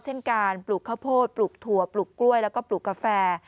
เช่นการปลูกข้าวโพดปลูกถั่วปลูกกล้วยแล้วก็ปลูกกาแฟ